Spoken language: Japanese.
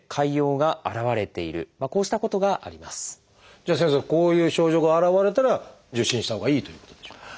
じゃあ先生こういう症状が現れたら受診したほうがいいということでしょうか？